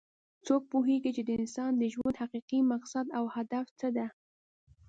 څوک پوهیږي چې د انسان د ژوند حقیقي مقصد او هدف څه ده